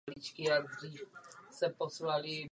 Utkání se hrálo za minimální pozornosti diváků i velkých novin.